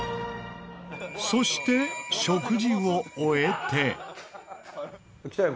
そして食事を終えて。